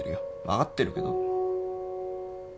分かってるけど。